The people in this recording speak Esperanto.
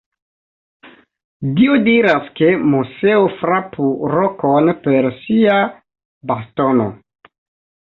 Dio diras, ke Moseo frapu rokon per sia bastono.